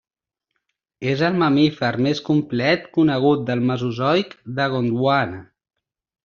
És el mamífer més complet conegut del Mesozoic de Gondwana.